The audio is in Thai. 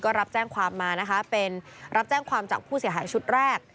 ก็รับแจ้งความมานะคะเป็นรับแจ้งความจากผู้เสียหายชุดแรก